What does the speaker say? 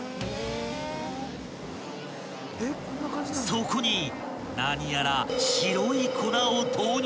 ［そこに何やら］